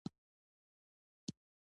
چهلستون ماڼۍ ولې مشهوره ده؟